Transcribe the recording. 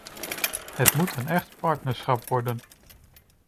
Het moet een echt partnerschap worden.